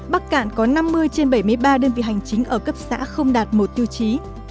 bắc cạn có năm mươi trên bảy mươi ba đơn vị hành chính ở cấp xã không đạt một tiêu chí